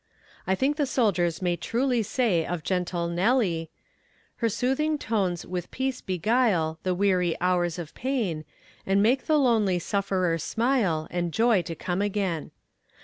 I think the soldiers may truly say of the gentle Nellie: Her soothing tones with peace beguile The weary hours of pain, And make the lonely sufferer smile And joy to come again.